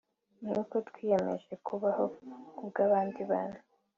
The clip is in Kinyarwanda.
ni uko twiyemeje kubaho ku bw’abandi bantu